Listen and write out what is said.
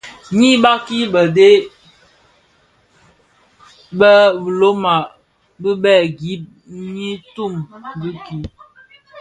Ňyi kabsi bë bëë dèm bilona bibèè gib nyi tum dhiki.